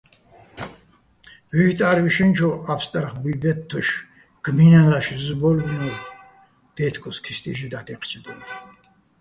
ვუჰ̦ტა́რ ვიშენჩოვ, ა́ფსტარხ ბუჲ ბე́თთოშ, გმინალაშ ზუზ ბო́ლბინო́რ დაჲთკოს ქისტივ ჟე დაჰ̦ დაჲჴჩედო́ლიჼ.